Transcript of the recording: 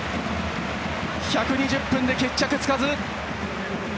１２０分で決着つかず。